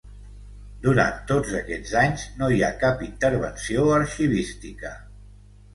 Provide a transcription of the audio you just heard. Durant tots aquests anys no hi ha cap intervenció arxivística.